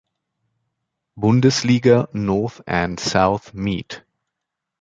Bundesliga North and South meet.